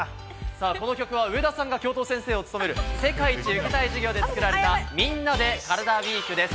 この曲は上田さんが教頭先生を務める「世界一受けたい授業」で作られた「みんなｄｅカラダＷＥＥＫ！！」です。